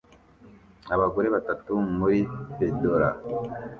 Abagore batatu muri fedora